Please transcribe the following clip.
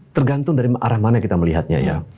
tergantung dari arah mana kita melihatnya ya